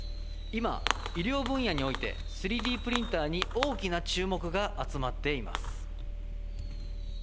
今、医療分野において、３Ｄプリンターに大きな注目が集まっています。